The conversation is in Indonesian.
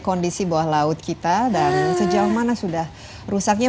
kondisi bawah laut kita dan sejauh mana sudah rusaknya